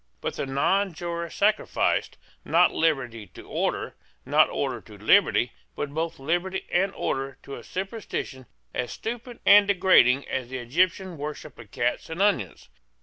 But the nonjuror sacrificed, not liberty to order, not order to liberty, but both liberty and order to a superstition as stupid and degrading as the Egyptian worship of cats and onions.